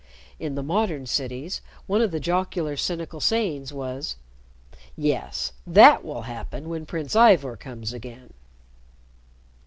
In the modern cities, one of the jocular cynical sayings was, "Yes, that will happen when Prince Ivor comes again."